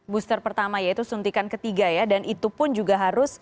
booster pertama yaitu suntikan ketiga ya dan itu pun juga harus